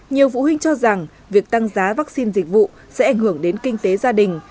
nhiều phụ huynh cho rằng việc tăng giá vaccine dịch vụ sẽ ảnh hưởng đến kinh tế gia đình